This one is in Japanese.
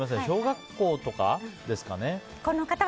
小学校とかですかね。